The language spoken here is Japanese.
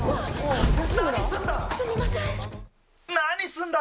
何すんだ。